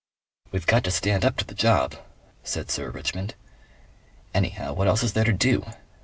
"We've got to stand up to the job," said Sir Richmond. "Anyhow, what else is there to do?